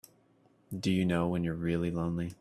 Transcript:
Do you know when you're really lonely?